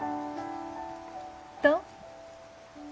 どう？